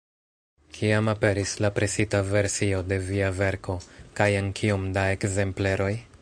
Kiam aperis la presita versio de via verko, kaj en kiom da ekzempleroj?